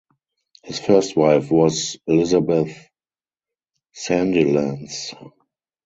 His first wife was Elizabeth Sandilands.